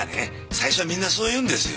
最初はみんなそう言うんですよ。